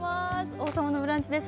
「王様のブランチ」です。